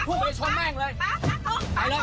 ป๊าททงไปเลย